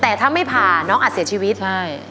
แต่ถ้าไม่ผ่าน้องอาจเสียชีวิตใช่